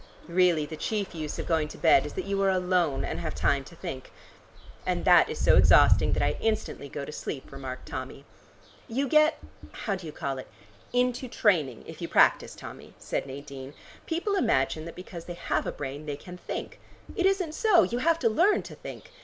Really the chief use of going to bed is that you are alone and have time to think." "And that is so exhausting that I instantly go to sleep," remarked Tommy. "You get how do you call it into training, if you practise, Tommy," said Nadine. "People imagine that because they have a brain they can think. It isn't so: you have to learn to think.